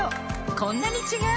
こんなに違う！